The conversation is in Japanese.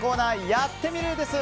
「やってみる。」です。